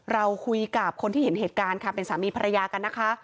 เราคุยกับคนที่เห็นเหตุการณ์ค่ะเป็นสามีภรรยากันนะคะ